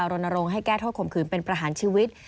รณรงค์ให้แก้โทษข่มขืนเป็นประหารชีวิต